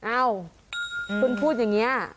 อ้าวคุณพูดอย่างเงี้ย